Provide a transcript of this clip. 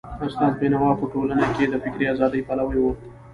استاد بينوا په ټولنه کي د فکري ازادۍ پلوی و.